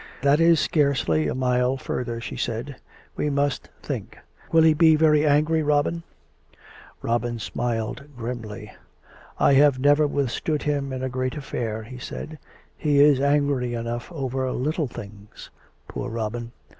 " That is scarcely a mile further," she said. " We must think. ... Will he be very angry, Robin ?" Robin smiled grimly. " I have never withstood him in a great affair," he said. " He is angry enough over little things." " Poor Robin